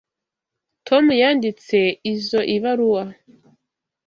Tom yanditse izoi baruwa.